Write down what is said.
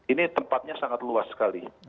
ini tempatnya sangat luas sekali